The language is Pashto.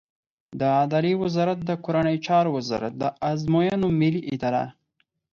د عدلیې وزارت د کورنیو چارو وزارت، د ازموینو ملی اداره